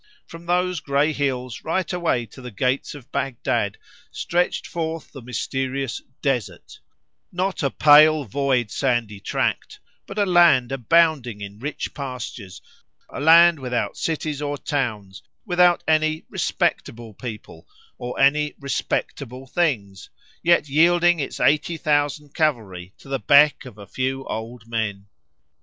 From those grey hills right away to the gates of Bagdad stretched forth the mysterious "desert"—not a pale, void, sandy tract, but a land abounding in rich pastures, a land without cities or towns, without any "respectable" people or any "respectable" things, yet yielding its eighty thousand cavalry to the beck of a few old men.